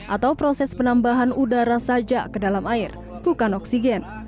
atau proses penambahan udara saja ke dalam air bukan oksigen